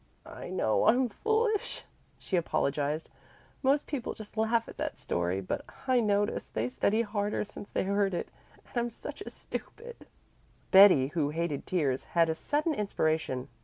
"I know I'm foolish," she apologized. "Most people just laugh at that story, but I notice they study harder since they heard it. And I'm such a stupid." Betty, who hated tears, had a sudden inspiration.